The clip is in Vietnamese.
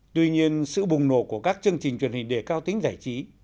tuy nhiên sự bùng nổ của các chương trình truyền hình đề cao tính giải trí